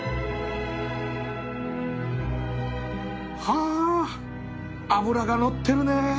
はあ脂が乗ってるね